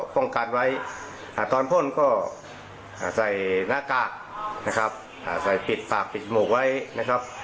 ใส่หน้ากากนะครับใส่ปิดปากปิดหมูไว้นะครับ